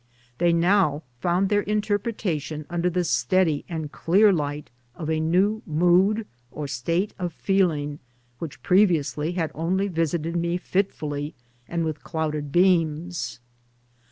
They now found their interpretation under the steady and clear light of a new mood or state of feeling which previously had only visited me fitfully and with clouded beams.